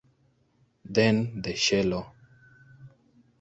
Then the cello.